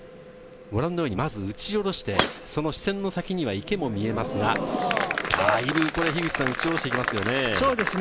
ご覧のように、まず打ち下ろして、視線の先には池も見えますが、だいぶ打ち下ろしてきますね。